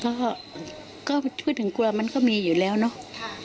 พูดถึงกลัวมันก็มีอยู่แล้วเนอะ